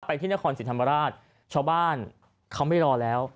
ที่นครศรีธรรมราชชาวบ้านเขาไม่รอแล้ว